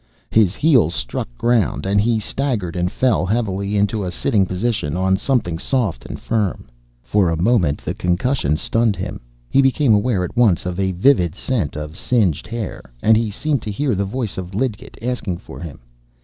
His heels struck ground, and he staggered and fell heavily into a sitting position on something soft and firm. For a moment the concussion stunned him. He became aware at once of a vivid scent of singed hair, and he seemed to hear the voice of Lidgett asking for him.